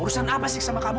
urusan apa sih sama kamu